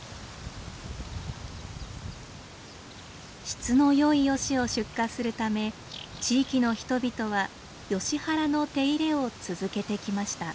質の良いヨシを出荷するため地域の人々はヨシ原の手入れを続けてきました。